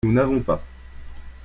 Nous n'avons pas.